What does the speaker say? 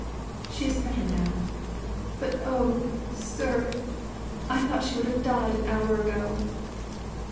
She's better now; but, oh sir! I thought she'd have died an hour ago."